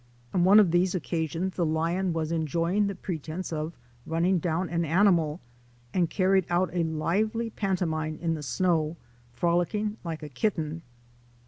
On one of these occasions the lion was enjoying the pretence of running down an animal, and carried out a lively pantomime in the snow, frolicing like a kitten.